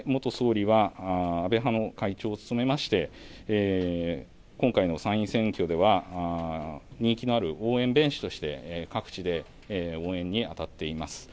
安倍元総理は安倍派の会長を務めまして今回の参院選挙では人気のある応援弁士として各地で応援に当たっています。